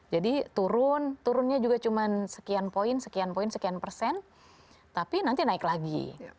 jadi turun turunnya juga cuma sekian poin sekian poin sekian persen tapi nanti naik lagi